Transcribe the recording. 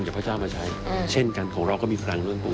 ที่รู้สึกว่ามันเป็นเรื่องที่ทัศน์หัวใจ